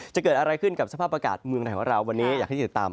จะเกิดอะไรขึ้นกับสภาพอากาศเมืองไทยของเราวันนี้อยากให้ติดตาม